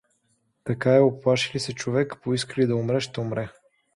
Така е — уплаши ли се човек, поиска ли да умре, ще умре.